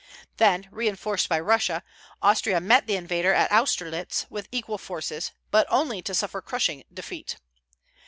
Then, reinforced by Russia, Austria met the invader at Austerlitz with equal forces; but only to suffer crushing defeat.